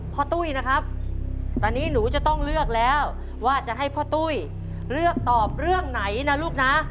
ตุ้ยนะครับตอนนี้หนูจะต้องเลือกแล้วว่าจะให้พ่อตุ้ยเลือกตอบเรื่องไหนนะลูกนะ